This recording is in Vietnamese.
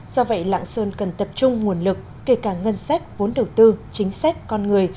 do vậy lạng sơn cần tập trung nguồn lực kể cả ngân sách vốn đầu tư chính sách con người